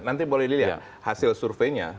nanti boleh dilihat hasil surveinya